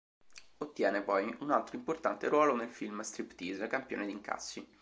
Ottiene poi un altro importante ruolo nel film "Striptease", campione di incassi.